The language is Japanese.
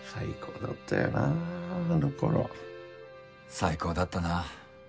最高だったな。